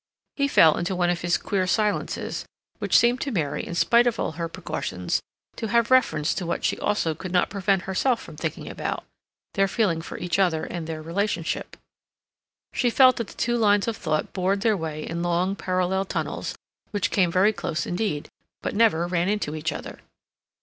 He fell into one of his queer silences, which seemed to Mary, in spite of all her precautions, to have reference to what she also could not prevent herself from thinking about—their feeling for each other and their relationship. She felt that the two lines of thought bored their way in long, parallel tunnels which came very close indeed, but never ran into each other.